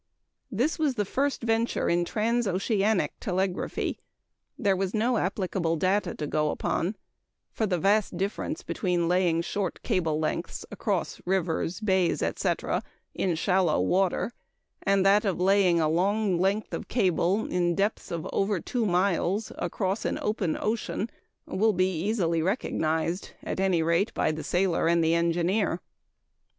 This was the first venture in transoceanic telegraphy. There was no applicable data to go upon; for the vast difference between laying short cable lengths across rivers, bays, etc., in shallow water, and that of laying a long length of cable in depths of over two miles across an open ocean will be easily recognized at any rate, by the sailor and engineer.